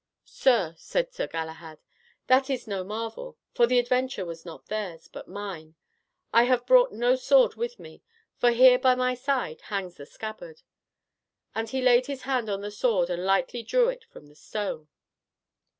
"Sir," said Sir Galahad, "that is no marvel, for the adventure was not theirs, but mine; I have brought no sword with me, for here by my side hangs the scabbard," and he laid his hand on the sword and lightly drew it from the stone.